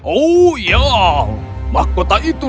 oh ya mahkota itu